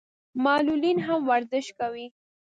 معلولین هم ورزش کوي.